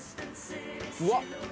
うわっ！